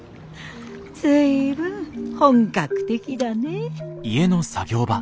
随分本格的だね。